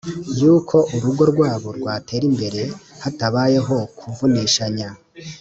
y’uko urugo rwabo rwatera imbere hatabayeho kuvunishanya.